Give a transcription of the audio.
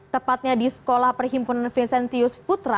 tepatnya di sekolah perhimpunan vesentius